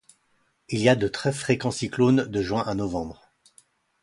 Il y a de très fréquents cyclones de juin à novembre.